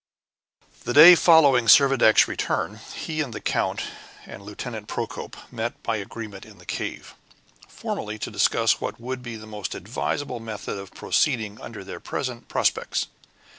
The day following Servadac's return, he and the count and Lieutenant Procope met by agreement in the cave, formally to discuss what would be the most advisable method of proceeding under their present prospects.